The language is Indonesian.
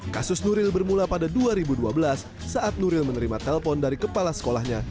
kasus nuril bermula pada dua ribu dua belas saat nuril menerima telpon dari kepala sekolahnya